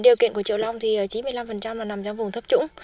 điều kiện của triệu long thì chín mươi năm là nằm trong vùng thấp trũng